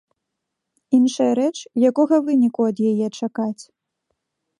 Іншая рэч, якога выніку ад яе чакаць?